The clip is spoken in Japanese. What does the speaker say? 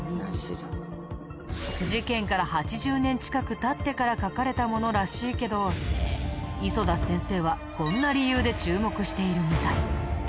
事件から８０年近く経ってから書かれたものらしいけど磯田先生はこんな理由で注目しているみたい。